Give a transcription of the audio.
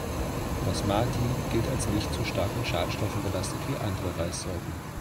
Basmati gilt als nicht so stark mit Schadstoffen belastet wie andere Reissorten.